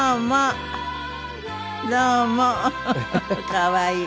可愛い。